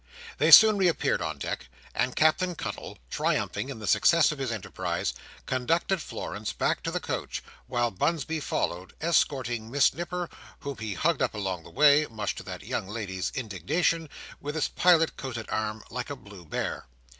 They soon reappeared on deck, and Captain Cuttle, triumphing in the success of his enterprise, conducted Florence back to the coach, while Bunsby followed, escorting Miss Nipper, whom he hugged upon the way (much to that young lady's indignation) with his pilot coated arm, like a blue bear.